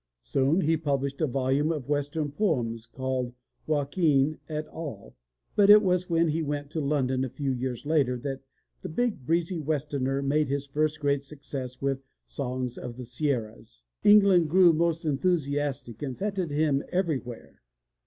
Soon he published a volume of western poems called Joaquin et al but it was when he went to London a few years later that the big breezy westerner made his first great success with Songs of the Sierras. England grew most enthusiastic and feted him every where.